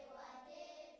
terima kasih terima kasih